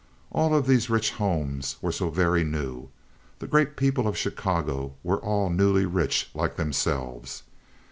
All of these rich homes were so very new. The great people of Chicago were all newly rich like themselves.